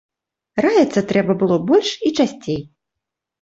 Раіцца трэба было больш і часцей.